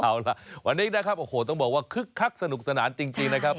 เอาล่ะวันนี้นะครับโอ้โหต้องบอกว่าคึกคักสนุกสนานจริงนะครับ